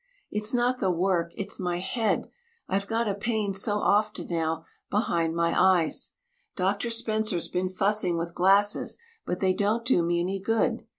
"It's not the work it's my head. I've got a pain so often now behind my eyes. Doctor Spencer's been fussing with glasses, but they don't do me any good.